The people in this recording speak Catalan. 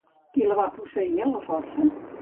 Qui la va posseir a la força?